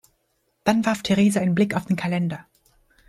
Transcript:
Dann warf Theresa einen Blick auf den Kalender.